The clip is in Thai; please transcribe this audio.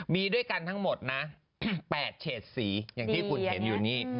มีด้วยกันทั้งหมดนะ๘เฉดสีอย่างที่คุณเห็นอยู่นี่